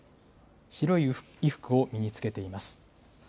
白い衣服を身に着けています。